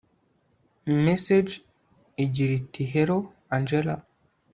message igira iti hello angella